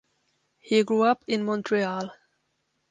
He grew up in Montreal.